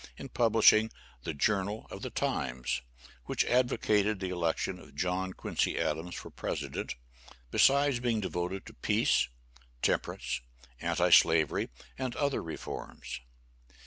in publishing the "Journal of the Times," which advocated the election of John Quincy Adams for president, besides being devoted to peace, temperance, anti slavery and other reforms.